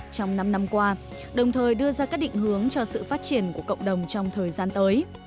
trong năm năm qua đồng thời đưa ra các định hướng cho sự phát triển của cộng đồng trong thời gian tới